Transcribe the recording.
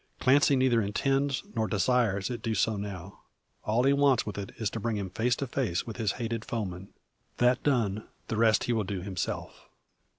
Clancy neither intends, nor desires, it to do so now. All he wants with it, is to bring him face to face with his hated foeman. That done, the rest he will do himself.